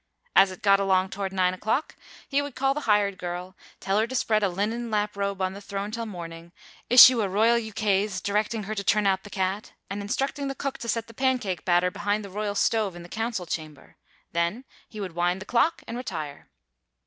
As it got along toward 9 o'clock, he would call the hired girl, tell her to spread a linen lap robe on the throne till morning, issue a royal ukase directing her to turn out the cat, and instructing the cook to set the pancake batter behind the royal stove in the council chamber, then he would wind the clock and retire.